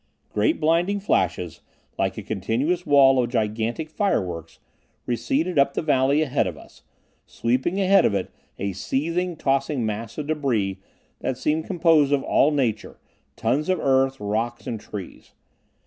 Great, blinding flashes, like a continuous wall of gigantic fireworks, receded up the valley ahead of us, sweeping ahead of it a seething, tossing mass of debris that seemed composed of all nature, tons of earth, rocks and trees.